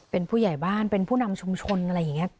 เป็นผู้ใหญ่บ้านเป็นผู้นำชุมชนอะไรอย่างนี้